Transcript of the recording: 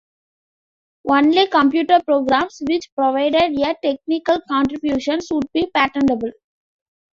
Only computer programs which provided a "technical contribution" would be patentable.